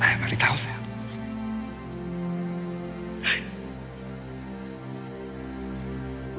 はい。